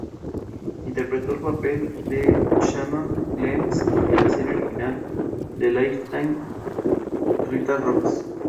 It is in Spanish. Interpretó el papel de Shannon Clemens en la serie original de Lifetime "Rita Rocks".